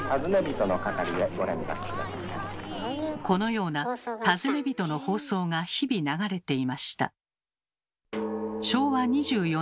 このような尋ね人の放送が日々流れていました。